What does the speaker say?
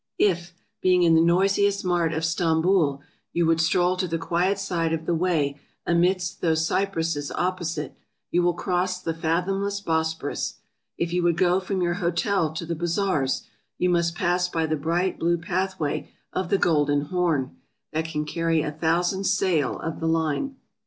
If, being in the noisiest 318 ASIA 319 mart of Stamboul, you would stroll to the quiet side of the way amidst those cypresses opposite, you will cross the fathomless Bosporus ; if you would go from your hotel to the bazaars, you must pass by the bright blue pathway of the Golden Horn, that can carry a thousand sail of the line.